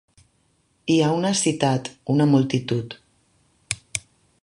Hi ha una citat, una multitud.